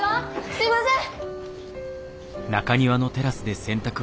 すいません！